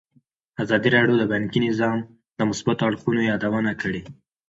ازادي راډیو د بانکي نظام د مثبتو اړخونو یادونه کړې.